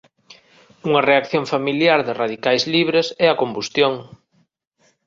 Unha reacción familiar de radicais libres é a combustión.